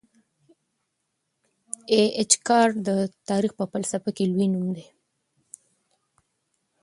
ای اېچ کار د تاریخ په فلسفه کي لوی نوم دی.